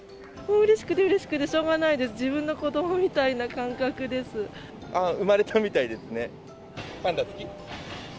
うれしくてうれしくて、しょうがないです、自分の子どもみた産まれたみたいですね。